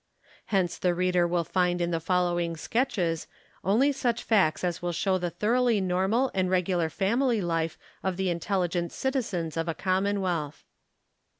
Hence the reader will find in the following sketches only such facts as will show the thoroughly normal and regular family life of the intelligent citizens of a com monwealth.